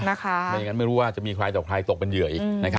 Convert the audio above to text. ไม่อย่างนั้นไม่รู้ว่าจะมีใครต่อใครตกเป็นเหยื่ออีก